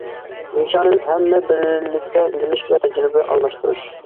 نىشانىمىز: ھەممە بىرلىكتە ئۆگىنىش ۋە تەجرىبە ئالماشتۇرۇش.